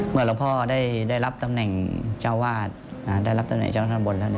เมื่อหลวงพ่อได้รับตำแหน่งเจ้าวาดได้รับตำแหน่งเจ้าหน้าต่ำบลแล้ว